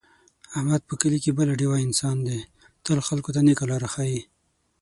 احمد په کلي کې بله ډېوه انسان دی، تل خلکو ته نېکه لاره ښي.